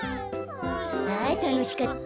あたのしかった。